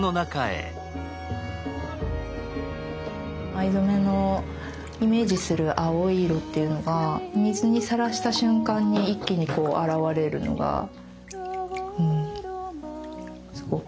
藍染めのイメージする青い色っていうのが水にさらした瞬間に一気にこう現れるのがすごく美しいなと。